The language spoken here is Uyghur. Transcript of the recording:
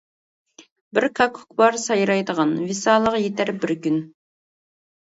بىر كاككۇك بار سايرايدىغان، ۋىسالىغا يېتەر بىر كۈن.